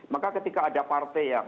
maka ketika ada partai yang